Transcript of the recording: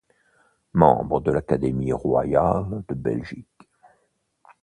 Membre de l'Académie royale de Belgique.